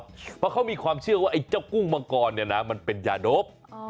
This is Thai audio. เพราะเขามีความเชื่อว่าไอ้เจ้ากุ้งมังกรเนี่ยนะมันเป็นยานบ